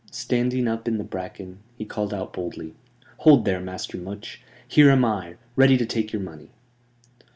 Standing up in the bracken, he called out boldly: "Hold there, Master Much. Here am I, ready to take your money."